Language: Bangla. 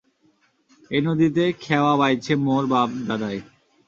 এই নদীতে খেওয়া বাইছে মোর বাপ দাদায়।